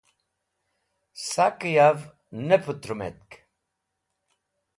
Sakẽ yav nẽ pũtrũmetk